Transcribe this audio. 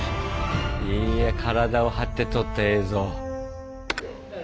いや体を張って撮った映像。